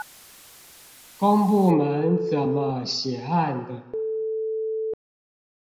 公部門怎麼寫案的